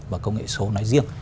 và công nghệ số nói riêng